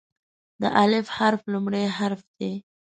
د "الف" حرف لومړی حرف دی.